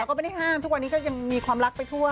ก็ไม่ได้ห้ามทุกวันนี้ก็ยังมีความรักไปทั่ว